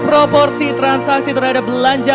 proporsi transaksi terhadap belanja